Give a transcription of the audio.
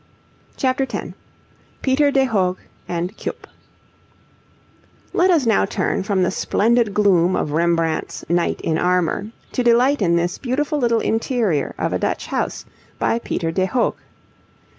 CHAPTER X PETER DE HOOGH AND CUYP Let us now turn from the splendid gloom of Rembrandt's 'Knight in Armour,' to delight in this beautiful little interior of a Dutch house by Peter de Hoogh.